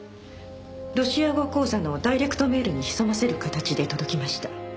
ロシア語講座のダイレクトメールに潜ませる形で届きました。